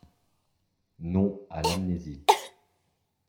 Non à l’amnésie